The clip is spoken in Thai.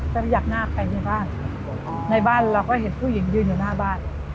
ก็พยักหน้าไปในบ้านในบ้านเราก็เห็นผู้หญิงยืนอยู่หน้าบ้าน